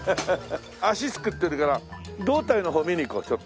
足作ってるから胴体の方見に行こうちょっと。